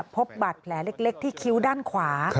พบบาดแผลเล็กที่คิ้วด้านขวา